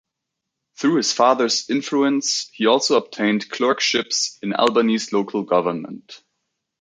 Through his father's influence, he also obtained clerkships in Albany's local government.